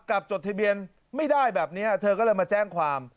จดทะเบียนไม่ได้แบบนี้เธอก็เลยมาแจ้งความ